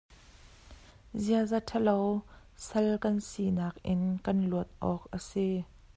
Ziaza ṭhalo sal kan sinak in kan luat awk a si.